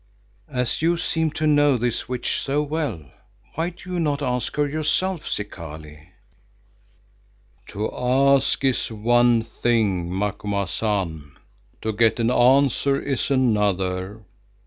"As you seem to know this witch so well, why do you not ask her yourself, Zikali?" "To ask is one thing, Macumazahn. To get an answer is another.